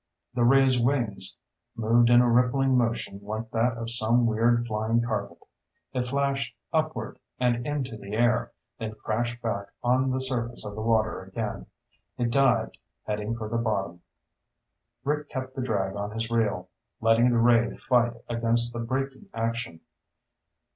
The ray's wings moved in a rippling motion like that of some weird flying carpet. It flashed upward, and into the air, then crashed back on the surface of the water again. It dived, heading for the bottom. Rick kept the drag on his reel, letting the ray fight against the braking action.